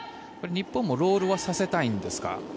日本もロールはさせたいんですか？